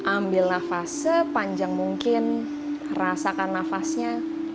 ambil nafas sepanjang mungkin rasakan nafasnya